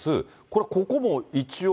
これ、ここも一応、